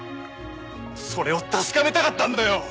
それを確かめたかったんだよ！